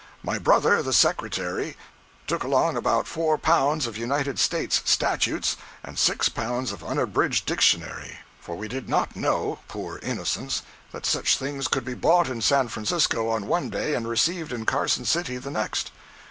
My brother, the Secretary, took along about four pounds of United States statutes and six pounds of Unabridged Dictionary; for we did not know—poor innocents—that such things could be bought in San Francisco on one day and received in Carson City the next.